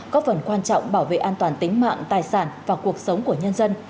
có phần quan trọng bảo vệ an toàn tính mạng tài sản và cuộc sống của nhân dân